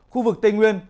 khu vực tây nguyên